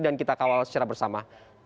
dan kita kawal secara bersama